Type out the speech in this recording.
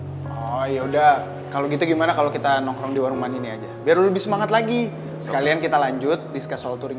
soal turisme ya ya terus ya gue diem karena gue lagi capek aja oh ya udah kalau gitu gimana kalau kita nongkrong di warung mani ini aja biar lu lebih semangat lagi sekalian kita lanjut discuss soal turisme